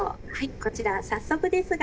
こちら、早速ですが、